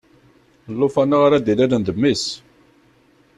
Lufan-a ara d-ilalen d mmi-s.